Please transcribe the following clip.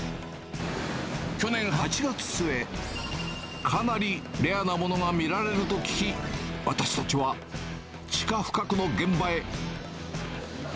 去年８月末、かなりレアなものが見られると聞き、私たちは地下深くの現場へ。